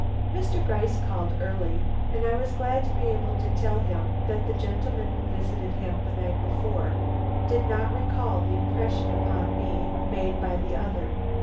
Mr. Gryce called early, and I was glad to be able to tell him that the gentleman who visited him the night before did not recall the impression made upon me by the other.